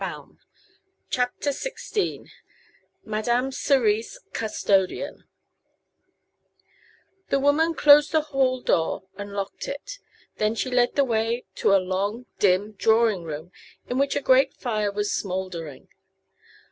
Louise went in. CHAPTER XVI MADAME CERISE, CUSTODIAN The woman closed the hall door and locked it. Then she led the way to a long, dim drawing room in which a grate fire was smouldering.